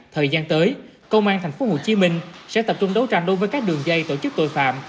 thời gian tới công an tp hcm sẽ tập trung đấu tranh đối với các đường dây tổ chức tội phạm